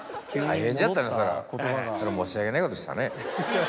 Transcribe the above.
それは申し訳ないことしたね。